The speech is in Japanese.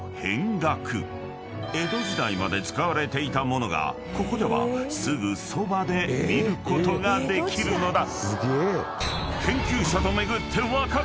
［江戸時代まで使われていた物がここではすぐそばで見ることができるのだ］